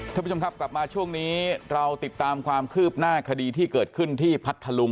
ท่านผู้ชมครับกลับมาช่วงนี้เราติดตามความคืบหน้าคดีที่เกิดขึ้นที่พัทธลุง